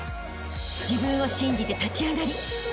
［自分を信じて立ち上がりあしたへ